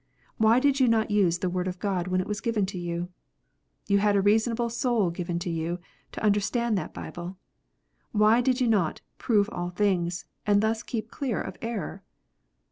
Why did you not use the Word of God when it was given to you ? You had a reasonable soul given you to understand that Bible. Why did you not Prove all things, and thus keep clear of error